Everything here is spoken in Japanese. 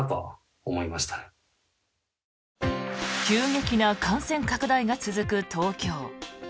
急激な感染拡大が続く東京。